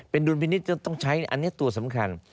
เป็นดุลพินิษฐ์จะต้องใช้อันนี้ตัวสำคัญ